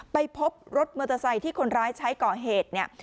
ไปพบรถมอเตอร์ไซค์ที่คนร้ายใช้ก่อเหตุเนี่ย